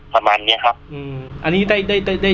ประมาณเนี้ยครับอืมอันนี้ได้ได้ได้ได้